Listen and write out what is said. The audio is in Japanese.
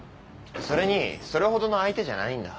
それにそれほどの相手じゃないんだ。